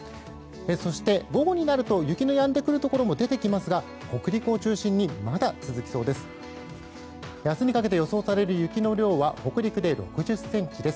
そして、午後になると雪のやんでくるところも出てきますが北陸を中心にまだ続きそうです。